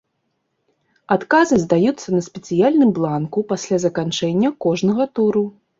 Адказы здаюцца на спецыяльным бланку пасля заканчэння кожнага туру.